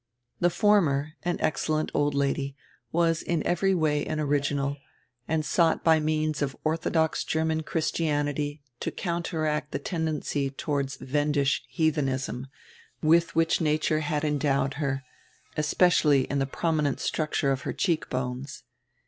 The former, an excellent old lady, was in every way an original, and sought by means of orthodox German Christianity to counteract die tendency toward Wendish heathenism, with which nature had endowed her, especially in die prominent structure of her cheek bones.